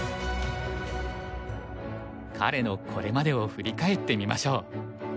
彼のこれまでを振り返ってみましょう。